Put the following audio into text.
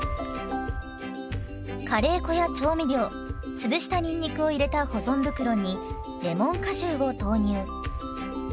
カレー粉や調味料潰したにんにくを入れた保存袋にレモン果汁を投入。